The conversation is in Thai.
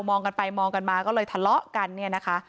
องกันไปมองกันมาก็เลยทะเลาะกันเนี่ยนะคะ